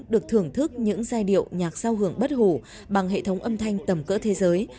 được thưởng thức những giai điệu nhạc sao hưởng bất hủ bằng hệ thống âm thanh tầm cỡ thế giới